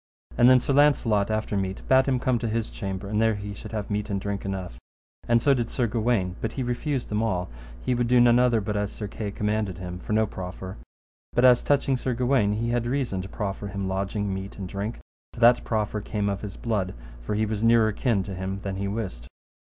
And then Sir Launcelot after meat bade him come to his chamber, and there he should have meat and drink enough. And so did Sir Gawaine: but he refused them all; he would do none other but as Sir Kay commanded him, for no proffer. But as touching Sir Gawaine, he had reason to proffer him lodging, meat, and drink, for that proffer came of his blood, for he was nearer kin to him than he wist.